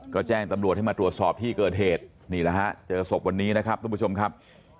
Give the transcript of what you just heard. ก็แจ้งตำรวจให้มาตรวจสอบที่เกิดเหตุนี่แหละฮะเจอศพวันนี้นะครับทุกผู้ชมครับ